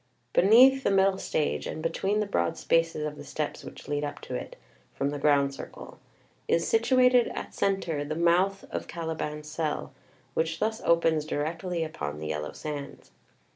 Beneath the middle stage, and between the broad spaces of the steps which lead up to it from the ground circle, is situated, at centre, the mouth of Caliban's cell, which thus opens directly upon the Yellow Sands.